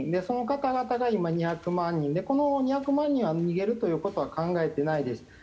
その方々が今、２００万人でこの２００万人は逃げることは考えていないです。